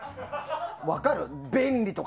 分かる？